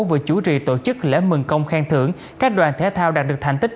vừa chủ trì tổ chức lễ mừng công khen thưởng các đoàn thể thao đạt được thành tích